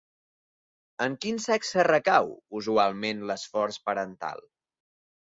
En quin sexe recau usualment l'esforç parental?